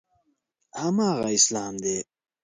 هماغه اسلام دی.